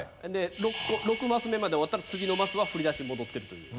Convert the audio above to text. ６マス目まで終わったら次のマスは振り出しに戻ってるという。